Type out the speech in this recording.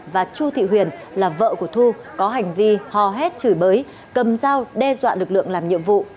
và chu thị huyền là vợ của thu có hành vi hò hét chửi bới cầm dao đe dọa lực lượng làm nhiệm vụ